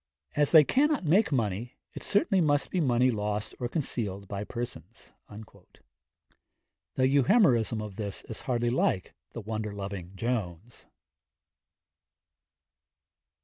As they cannot make money, it certainly must be money lost or concealed by persons.' The Euhemerism of this is hardly like the wonder loving Jones.